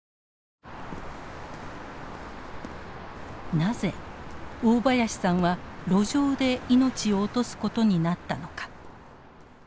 なぜ大林さんは路上で命を落とすことになったのか。